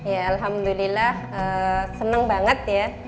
ya alhamdulillah senang banget ya